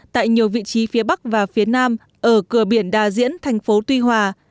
tại nhiều vị trí phía bắc và phía nam ở cửa biển đà diễn thành phố tuy hòa